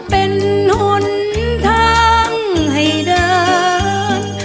เป็นหนทางให้เดิน